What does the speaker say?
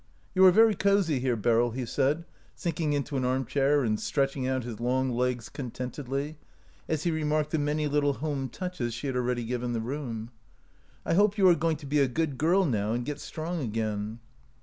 " You are very cozy here, Beryl," he said, sinking into an arm chair, and stretching out his long legs contentedly, as he remarked the many little home touches she had already given the room. " I hope you are going to be a good girl now and get strong again."